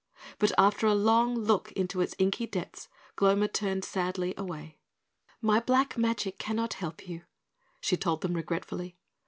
But after a long look into its inky depths, Gloma turned sadly away. "My black magic cannot help you," she told them regretfully.